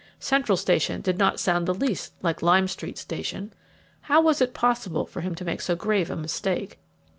Central Station did not sound the least like Lime Street Station. How was it possible for him to make so grave a mistake?